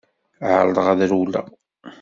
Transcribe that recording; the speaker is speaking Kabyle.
Ԑerḍeɣ ad rewleɣ.